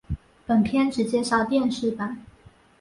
本篇只介绍电视版。